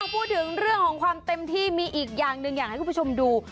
พูดถึงเรื่องของความเต็มที่มีอีกอย่างหนึ่งอยากให้คุณผู้ชมดู